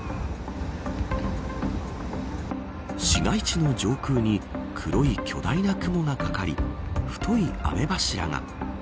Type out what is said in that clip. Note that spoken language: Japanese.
市街地の上空に黒い巨大な雲がかかり太い雨柱が。